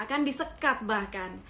akan disekat bahkan